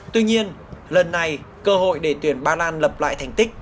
tuy nhiên lần này cơ hội để tuyển ba lan lập lại thành tích